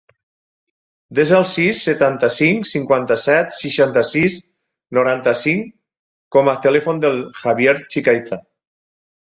Desa el sis, setanta-cinc, cinquanta-set, seixanta-sis, noranta-cinc com a telèfon del Javier Chicaiza.